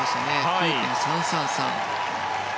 ９．３３３。